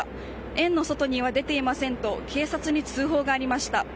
園の外には出ていませんと、警察に通報がありました。